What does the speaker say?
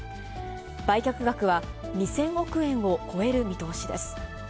売却額は２０００億円を超える見通しです。